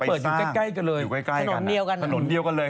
เปิดอยู่ใกล้กันเลยถนนเดียวกันเลย